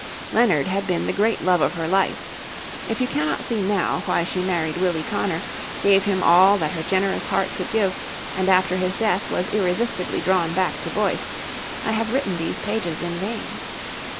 Leonard had been the great love of her life. If you cannot see now why she married Willie Connor, gave him all that her generous heart could give, and after his death was irresistibly drawn back to Boyce, I have written these pages in vain.